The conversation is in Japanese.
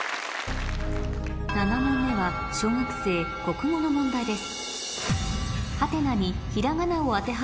７問目は小学生国語の問題です